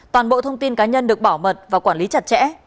toàn bộ thông tin cá nhân được bảo mật và quản lý chặt chẽ